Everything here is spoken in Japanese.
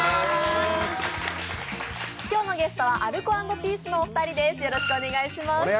今日のゲストはアルコ＆ピースのお二人です。